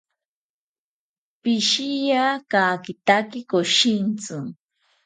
Pishiya kakitaki koshintzi